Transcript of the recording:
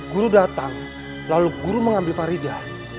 guru datang lalu guru mengambil farida